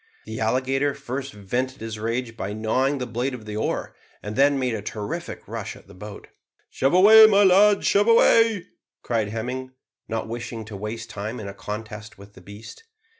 The alligator first vented his rage by gnawing the blade of the oar, and then made a terrific rush at the boat. "Shove away, my lads shove away," cried Hemming, not wishing to waste time in a contest with the beast.